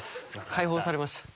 解放されました。